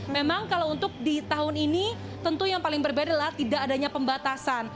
memang kalau untuk di tahun ini tentu yang paling berbeda adalah tidak adanya pembatasan